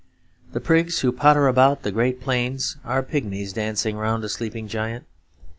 The prigs who potter about the great plains are pygmies dancing round a sleeping giant.